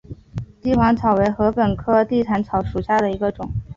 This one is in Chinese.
帝皇草为禾本科地毯草属下的一个种。